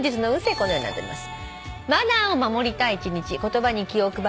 このようになっております。